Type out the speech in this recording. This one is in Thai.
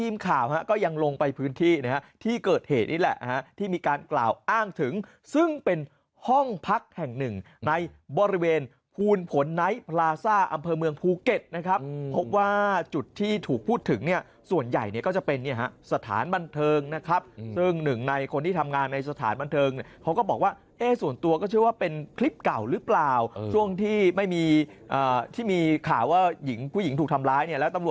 มาขอปืนมาขอปืนมาขอปืนมาขอปืนมาขอปืนมาขอปืนมาขอปืนมาขอปืนมาขอปืนมาขอปืนมาขอปืนมาขอปืนมาขอปืนมาขอปืนมาขอปืนมาขอปืนมาขอปืนมาขอปืนมาขอปืนมาขอปืนมาขอปืนมา